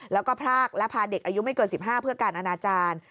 แล้วก็พรากและพาเด็กอายุไม่เกิน๑๕เพื่อการอนาจารย์